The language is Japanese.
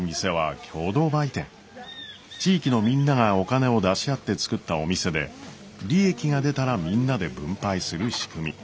地域のみんながお金を出し合って作ったお店で利益が出たらみんなで分配する仕組み。